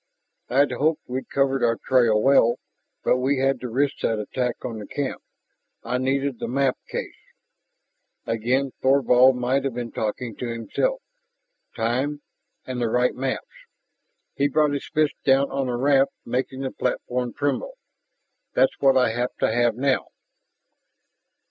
I'd hoped we'd covered our trail well. But we had to risk that attack on the camp.... I needed the map case!" Again Thorvald might have been talking to himself. "Time ... and the right maps " he brought his fist down on the raft, making the platform tremble "that's what I have to have now."